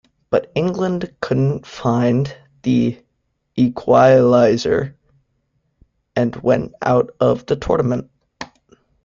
But England couldn't find the equaliser and went out of the tournament.